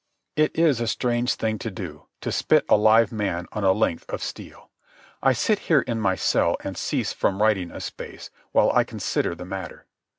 It is a strange thing to do, to spit a live man on a length of steel. I sit here in my cell, and cease from writing a space, while I consider the matter.